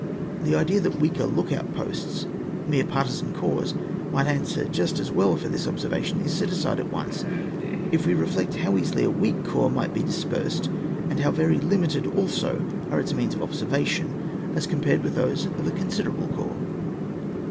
The idea that weaker look out posts, mere partisan corps, might answer just as well for this observation is set aside at once if we reflect how easily a weak corps might be dispersed, and how very limited also are its means of observation as compared with those of a consider able corps.